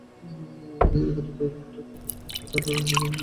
এখানে কয়েক ঘণ্টা থেকে আবার ঢাকা রওনা দেবেন বলে জানালেন তাঁরা।